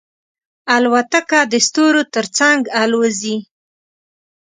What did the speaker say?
الوتکه د ستورو تر څنګ الوزي.